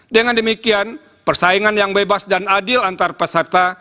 dengan demikian persaingan yang bebas dan adil antar peserta